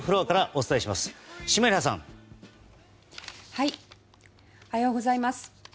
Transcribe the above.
おはようございます。